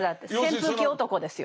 扇風機男ですよ。